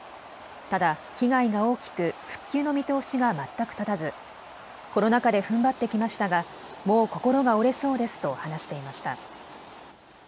ただ被害が大きく復旧の見通しが全く立たずコロナ禍でふんばってきましたが、もう心が折れそうですと話していました。